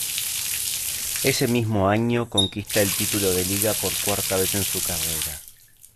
Ese mismo año conquista el título de Liga por cuarta vez en su carrera.